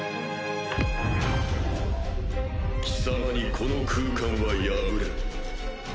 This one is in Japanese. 貴様にこの空間は破れん。